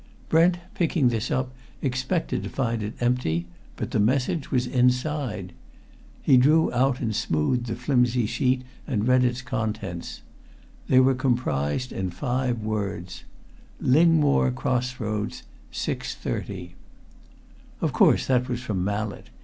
Brent, picking this up, expected to find it empty, but the message was inside. He drew out and smoothed the flimsy sheet and read its contents. They were comprised in five words: Lingmore Cross Roads six thirty. Of course that was from Mallett.